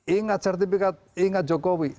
ingat sertifikat ingat jokowi